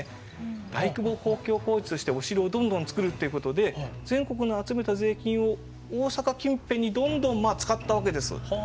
大規模公共工事としてお城をどんどん造るっていうことで全国の集めた税金を大坂近辺にどんどん使ったわけです。はあ。